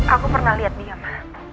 aku pernah liat dia